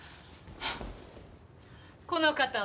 この方は？